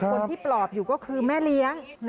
ปลอบอยู่ก็คือแม่เลี้ยง